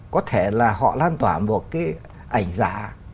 có thể là họ lan tỏa một cái ảnh giả